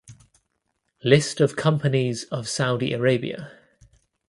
List of companies of Saudi Arabia